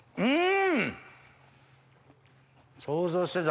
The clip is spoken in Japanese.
うん。